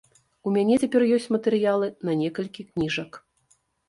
У мяне цяпер ёсць матэрыялы на некалькі кніжак.